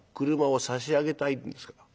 俥を差し上げたいんですけど」。